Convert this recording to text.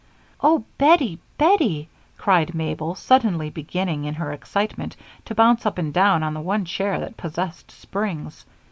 "Oh, Bettie! Bettie!" cried Mabel, suddenly beginning, in her excitement, to bounce up and down on the one chair that possessed springs.